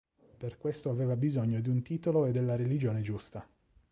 Per questo aveva bisogno di un titolo e della religione giusta.